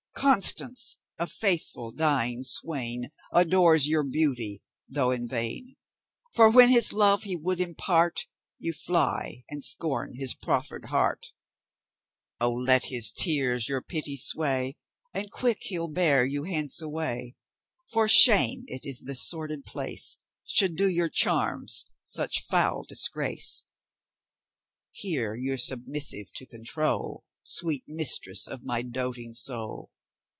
Constance! a faithful, dying swain Adores your beauty, though in vain; For when his love he would impart, You fly and scorn his proffered heart! O let his tears your pity sway, And quick he'll bear you hence away; For shame it is this sordid place, Should do your charms such foul disgrace Here you're submissive to control, Sweet mistress of my doating soul!